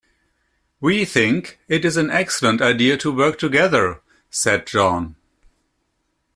"We think, it Is an excellent idea to work together," said John.